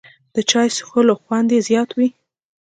د چای څښلو خوند زیات وي